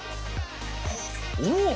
おお！